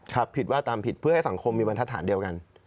ผิดว่าตามผิดเพื่อให้สังคมมีบรรทัศนเดียวกัน